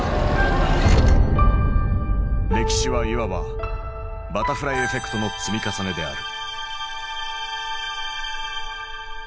歴史はいわば「バタフライエフェクト」の積み重ねである。